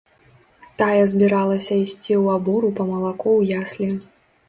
Тая збіралася ісці ў абору па малако ў яслі.